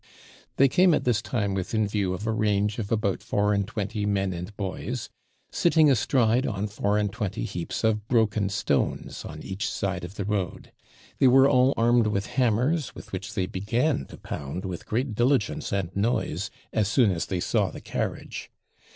They came at this time within view of a range of about four and twenty men and boys, sitting astride on four and twenty heaps of broken stones, on each side of the road; they were all armed with hammers, with which they began to pound with great diligence and noise as soon as they saw the carriage.